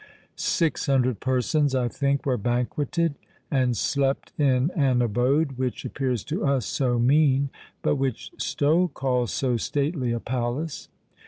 Six hundred persons, I think, were banqueted and slept in an abode which appears to us so mean, but which Stowe calls "so stately a palace."